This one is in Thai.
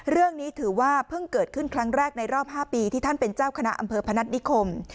เรื่องนี้ถือว่าเพิ่งเกิดขึ้นครั้งแรกในรอบ๕ปีที่ท่านเป็นเจ้าคณะอำเภอพนัฐนิคม